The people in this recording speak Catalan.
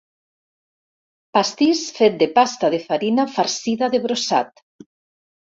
Pastís fet de pasta de farina farcida de brossat.